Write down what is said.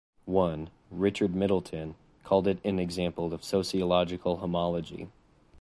One, Richard Middleton, called it an example of sociological homology.